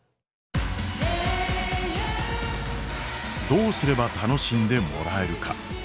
どうすれば楽しんでもらえるか。